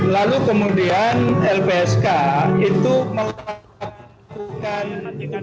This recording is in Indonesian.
lalu kemudian lpsk itu melakukan penyelidikan